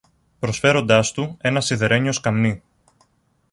προσφέροντάς του ένα σιδερένιο σκαμνί.